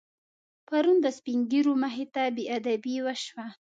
پرون د سپینږیرو مخې ته بېادبي وشوه.